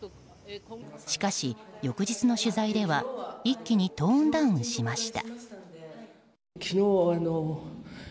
しかし翌日の取材では一気にトーンダウンしました。